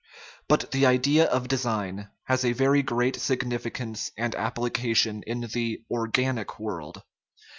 But the idea of design has a very great significance and application in the organic world.